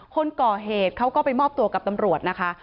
คนก่อเหตุเขาก็ไปมอบตัวกับตำรวจนะคะ